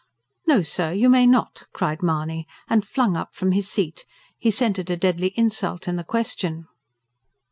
"No, sir, you may not!" cried Mahony, and flung up from his seat; he scented a deadly insult in the question.